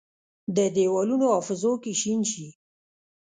د دیوالونو حافظو کې شین شي،